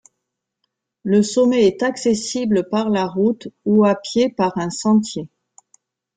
Le sommet est accessible par la route ou à pied par un sentier.